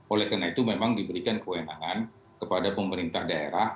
oleh karena itu memang diberikan kewenangan kepada pemerintah daerah